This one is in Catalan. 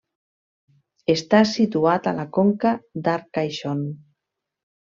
Està situat a la conca d'Arcaishon.